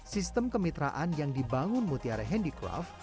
sistem kemitraan yang dibangun mutiara handicraft